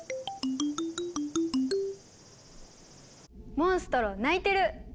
モンストロ鳴いてる！